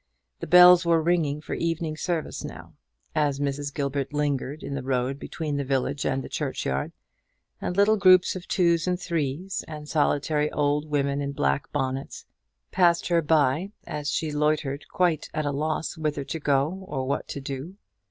The bells were ringing for evening service now, as Mrs. Gilbert lingered in the road between the village and the churchyard; and little groups of twos and threes, and solitary old women in black bonnets, passed her by, as she loitered quite at a loss whither to go, or what to do.